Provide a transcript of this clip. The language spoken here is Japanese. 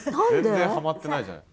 全然はまってないじゃない？